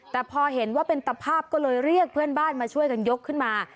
แต่พอเห็นว่าเป็นตภาพก็เลยเรียกเพื่อนบ้านมาช่วยกันยกขึ้นมา